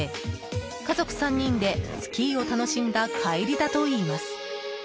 家族３人でスキーを楽しんだ帰りだといいます。